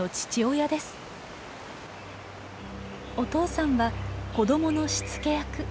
お父さんは子どものしつけ役。